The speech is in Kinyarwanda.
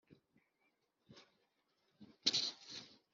aliyasira ati mwiliwe yemwe kwa mayuya?